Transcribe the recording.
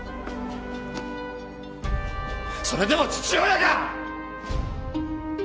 それでも父親か！